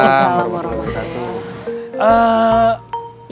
waalaikumsalam warahmatullahi wabarakatuh